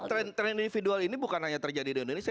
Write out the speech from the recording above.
trend individual ini bukan hanya terjadi di indonesia